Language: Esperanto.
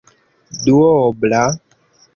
duobla